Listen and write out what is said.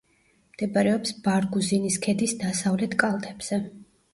მდებარეობს ბარგუზინის ქედის დასავლეთ კალთებზე.